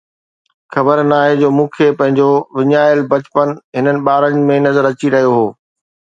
خبر ناهي ڇو مون کي پنهنجو وڃايل بچپن هنن ٻارن ۾ نظر اچي رهيو هو